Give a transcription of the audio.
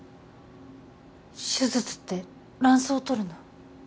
手術って卵巣取るの？